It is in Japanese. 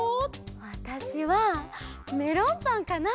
わたしはメロンパンかな！